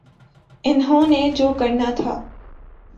انہوں نے جو کرنا تھا۔